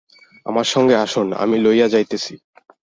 আমার সঙ্গে আসুন, আমি লইয়া যাইতেছি।